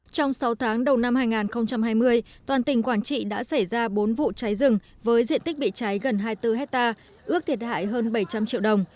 trong sáu tháng đầu năm hai nghìn hai mươi toàn tỉnh quảng trị đã xảy ra bốn vụ cháy rừng với diện tích bị cháy gần hai mươi bốn hectare ước thiệt hại hơn bảy trăm linh triệu đồng